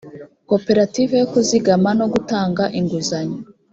koperative yo kuzigama no gutanga inguzanyo